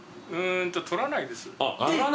取らないんですか？